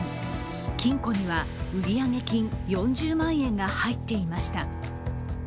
金庫には売上金４０万円が入っていました。